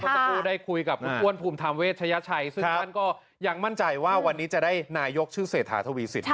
สักครู่ได้คุยกับคุณอ้วนภูมิธรรมเวชยชัยซึ่งท่านก็ยังมั่นใจว่าวันนี้จะได้นายกชื่อเศรษฐาทวีสิน